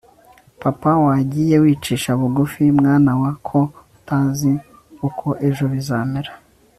Papa wagiye wicisha bugufi mwana wa ko utazi uko ejo bizamera